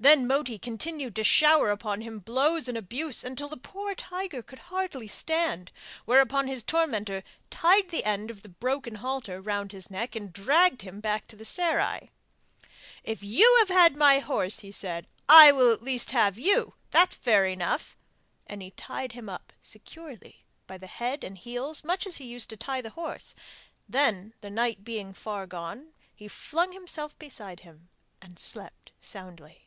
Then Moti continued to shower upon him blows and abuse until the poor tiger could hardly stand, whereupon his tormentor tied the end of the broken halter round his neck and dragged him back to the serai. 'If you had my horse,' he said, 'I will at least have you, that's fair enough!' And he tied him up securely by the head and heels, much as he used to tie the horse; then, the night being far gone, he flung himself beside him and slept soundly.